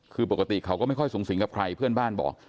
คือปกติเขาก็ไม่ค่อยสูงสิงกับใครเพื่อนบ้านบอก